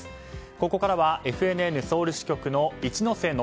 ここからはＦＮＮソウル支局の一之瀬登